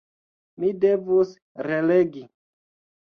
Mi devus relegi.